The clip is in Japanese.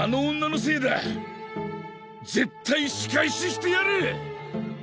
絶対仕返ししてやる！